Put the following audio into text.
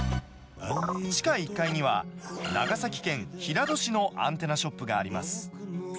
地下１階には、長崎県平戸市のアンテナショップがあります。